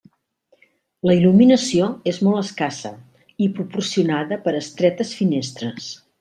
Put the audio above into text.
La il·luminació és molt escassa i proporcionada per estretes finestres.